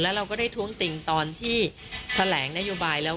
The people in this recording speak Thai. เราก็ได้ท้วงติงตอนที่แถลงนโยบายแล้ว